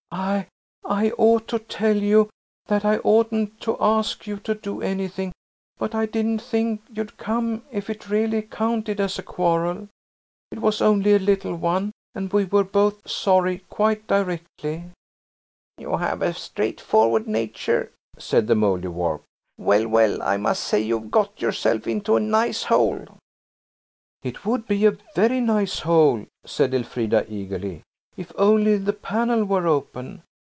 "I–I ought to tell you that I oughtn't to ask you to do anything, but I didn't think you'd come if it really counted as a quarrel. It was only a little one, and we were both sorry quite directly." "You have a straightforward nature," said the Mouldiwarp. "Well, well, I must say you've got yourself into a nice hole!" "It would be a very nice hole," said Elfrida eagerly, "if only the panel were open.